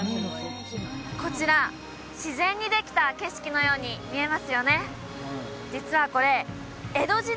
こちら自然にできた景色のように見えますよね